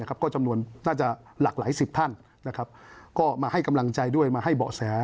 ก็จำนวนน่าจะหลากหลายสิบท่านก็มาให้กำลังใจด้วยมาให้เบาะแส